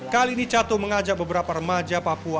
kali ini cato mengajak beberapa remaja papua